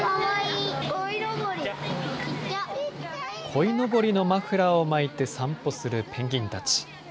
こいのぼりのマフラーを巻いて散歩するペンギンたち。